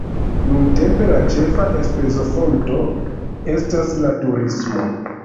Nuntempe la ĉefa enspezofonto estas la turismo.